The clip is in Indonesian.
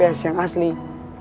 yang akhirnya bisa berubah